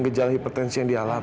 gejala hipertensi yang dialami